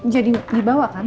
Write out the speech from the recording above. jadi dibawa kan